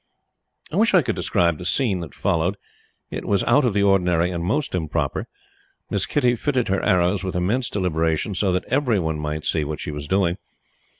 I wish I could describe the scene that followed. It was out of the ordinary and most improper. Miss Kitty fitted her arrows with immense deliberation, so that every one might see what she was doing.